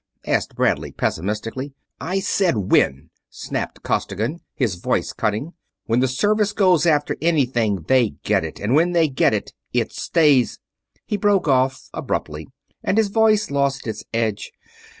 asked Bradley, pessimistically. "I said when!" snapped Costigan, his voice cutting. "When the Service goes after anything they get it, and when they get it it stays...." He broke off abruptly and his voice lost its edge.